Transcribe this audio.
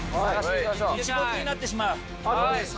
・日没になってしまう。